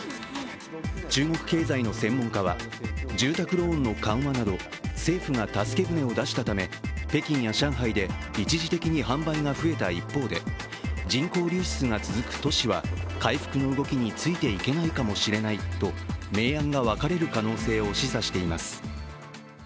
中国経済の専門家は、住宅ローンの緩和など政府が助け船を出したため、北京や上海で一時的に販売が増えた一方で人口流出が続く都市は回復の動きについていけないかもしれないと明暗が分かれる可能性を示唆しています。